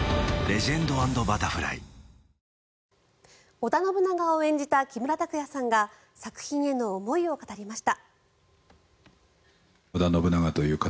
織田信長を演じた木村拓哉さんが作品への思いを語りました。